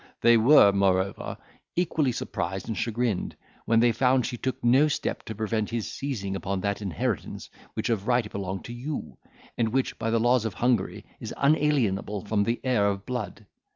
They were, moreover, equally surprised and chagrined, when they found she took no step to prevent his seizing upon that inheritance which of right belonged to you, and which, by the laws of Hungary, is unalienable from the heir of blood.